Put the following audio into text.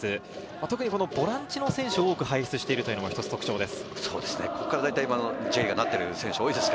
特にボランチの選手を多く輩出しているというのが特徴です。